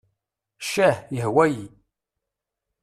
Ccah, yehwa-yi!